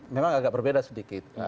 memang agak berbeda sedikit